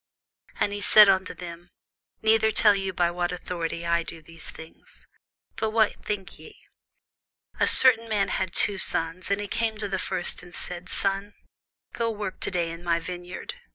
And he said unto them, Neither tell I you by what authority I do these things. But what think ye? A certain man had two sons; and he came to the first, and said, Son, go work to day in my vineyard.